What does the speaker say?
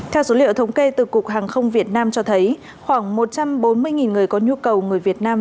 theo số liệu thống kê từ cục hàng không việt nam cho thấy khoảng một trăm bốn mươi người có nhu cầu người việt nam